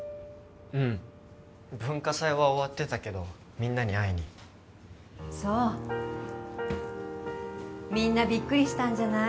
うん文化祭は終わってたけどみんなに会いにそうみんなびっくりしたんじゃない？